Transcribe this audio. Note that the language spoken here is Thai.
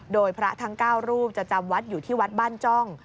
โดยพระทั้ง๙รูปจะจำวัดอยู่ที่วัดบ้านจ้อง